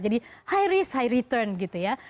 jadi high risk high return gitu ya